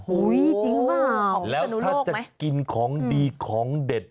โอ้ยจริงมากแล้วถ้าจะกินของดีของเด็ด